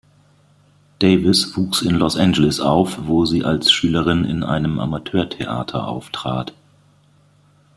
Davis wuchs in Los Angeles auf, wo sie als Schülerin in einem Amateurtheater auftrat.